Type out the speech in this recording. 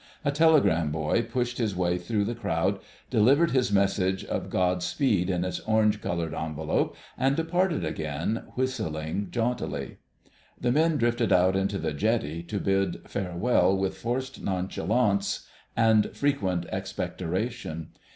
A telegram boy pushed his way through the crowd, delivered his message of God speed in its orange coloured envelope, and departed again, whistling jauntily. The men drifted out into the jetty to bid farewell, with forced nonchalance and frequent expectoration.